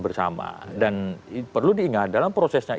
bersama dan perlu diingat dalam prosesnya